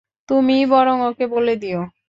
তুমিই বরং ওকে বলে দিও।